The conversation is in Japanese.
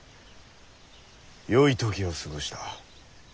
よい時を過ごした。